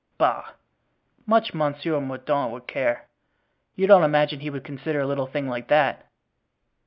"Bah! much Monsieur Mordaunt would care. You don't imagine he would consider a little thing like that?"